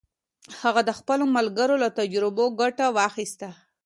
هغه د خپلو ملګرو له تجربو ګټه واخیسته.